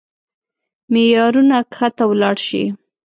معيارونه کښته ولاړ شي.